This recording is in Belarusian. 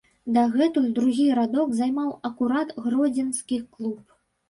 Дагэтуль другі радок займаў акурат гродзенскі клуб.